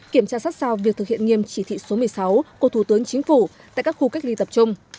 kiểm tra sát sao việc thực hiện nghiêm chỉ thị số một mươi sáu của thủ tướng chính phủ tại các khu cách ly tập trung